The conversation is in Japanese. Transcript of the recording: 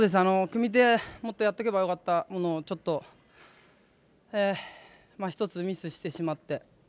組み手、もっとやっとけばよかったものをちょっと、１つミスしてしまって。